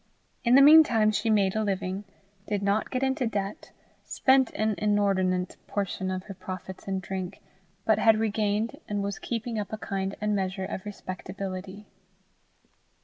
In the mean time she made a living, did not get into debt, spent an inordinate portion of her profits in drink, but had regained and was keeping up a kind and measure of respectability.